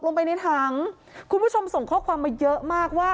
ลงไปในถังคุณผู้ชมส่งข้อความมาเยอะมากว่า